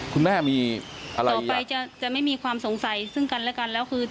คุณแม่มีอะไรต่อไปจะจะไม่มีความสงสัยซึ่งกันและกันแล้วคือ